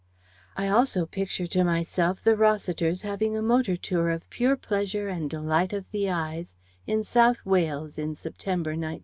I also picture to myself the Rossiters having a motor tour of pure pleasure and delight of the eyes in South Wales in September, 1919.